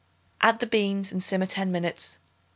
Add the beans and simmer ten minutes.